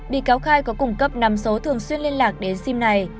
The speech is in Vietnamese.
bị cáo khai có cung cấp năm số thường xuyên liên lạc đến sim này